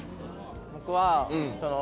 僕は。